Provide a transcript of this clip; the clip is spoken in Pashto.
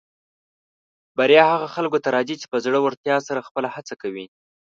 بریا هغه خلکو ته راځي چې په زړۀ ورتیا سره خپله هڅه کوي.